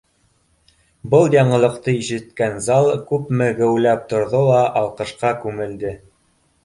Был яңылыҡты ишеткән зал күпме геүләп торҙо ла алҡышҡа күмелде